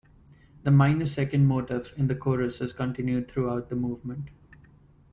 The minor second motif in the chorus is continued throughout the movement.